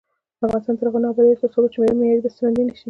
افغانستان تر هغو نه ابادیږي، ترڅو وچې میوې معیاري بسته بندي نشي.